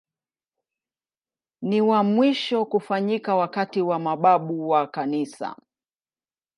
Ni wa mwisho kufanyika wakati wa mababu wa Kanisa.